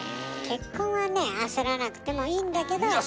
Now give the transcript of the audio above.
結婚はね焦らなくてもいいんだけど。